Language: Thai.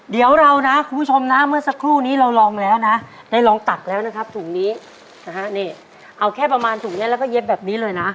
เดี๋ยวเรานะคุณผู้ชมนะเมื่อสักครู่นี้เราลองแล้วนะได้ลองตักแล้วนะครับถุงนี้นะฮะนี่เอาแค่ประมาณถุงนี้แล้วก็เย็บแบบนี้เลยนะ